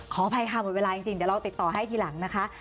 ขออภัยค่ะหมดเวลาจริงเดี๋ยวเราติดต่อให้ทีหลังนะคะ